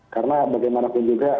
karena bagaimanapun juga